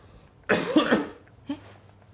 えっ？